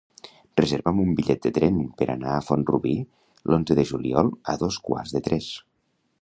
Reserva'm un bitllet de tren per anar a Font-rubí l'onze de juliol a dos quarts de tres.